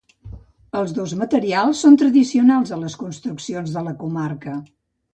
Els dos materials són tradicionals a les construccions de la comarca.